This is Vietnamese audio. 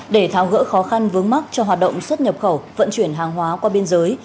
để tháo gỡ khó khăn vướng mắt cho hoạt động xuất nhập khẩu vận chuyển hàng hóa qua biên giới